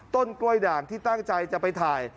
ต้นกล้วยด่างที่ตั้งใจจะไปถ่าย